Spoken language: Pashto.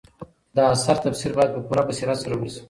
د اثر تفسیر باید په پوره بصیرت سره وسي.